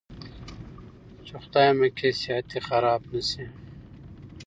چې خدايه مکې صحت دې خراب نه شي.